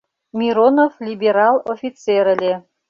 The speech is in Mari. Миронов либерал офицер ыле.